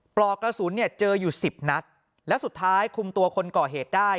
เปล่ากระสุนเจออยู่๑๐นัสและสุดท้ายคุมตัวคนก่อเหตุได้